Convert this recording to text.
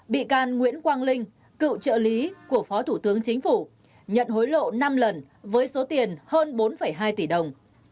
bị can nguyễn quang linh cựu trợ lý của phó thủ tướng chính phủ nhận hối lộ năm lần với số tiền hơn bốn hai tỷ đồng